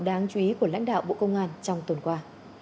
đáng chú ý của lãnh đạo bộ công an trong tuần qua